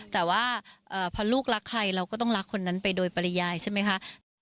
แต่ว่าพอลูกรักใครเราก็ต้องรักคนนั้นไปโดยปริยายใช่ไหมคะ